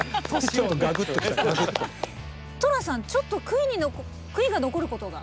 トラさんちょっと悔いが残ることが。